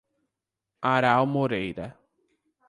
Aral Moreira